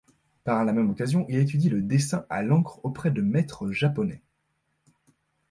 Par la même occasion il étudie le dessin à l'encre auprès de maitres japonais.